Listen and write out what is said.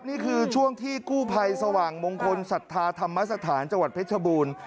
นี่คือช่วงที่กู้ภัยสว่างมงคลศรัทธาธรรมสถานจังหวัดเพชรบูรณ์